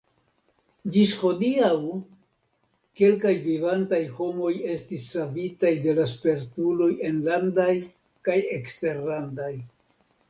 Ĝis hodiaŭ kelkaj vivantaj homoj estis savitaj de la spertuloj enlandaj kaj eksterlandaj.